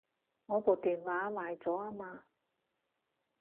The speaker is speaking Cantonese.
我部電話壞咗吖嘛